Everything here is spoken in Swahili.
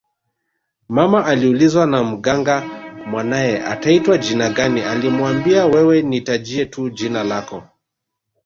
Mama aliulizwa na Mganga mwanae ataitwa jina gani alimuambia wewe nitajie tu jina lako